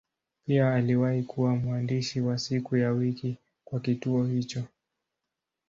Pia aliwahi kuwa mwandishi wa siku ya wiki kwa kituo hicho.